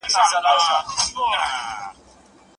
نړۍ ته او خلکو ته.